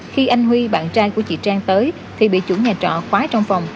khi anh huy bạn trai của chị trang tới thì bị chủ nhà trọ khóa trong phòng